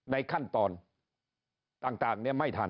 ในขั้นตอนต่างเนี่ยไม่ทัน